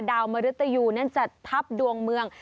มริตยูนั้นจะทับดวงเมือง